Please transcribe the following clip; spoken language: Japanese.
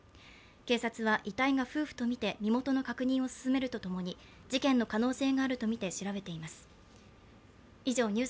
警察は遺体が夫婦とみて身元の確認を進めるとともに事件の可能性があるとみて調べています。